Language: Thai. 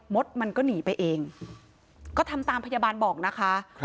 ดมันก็หนีไปเองก็ทำตามพยาบาลบอกนะคะ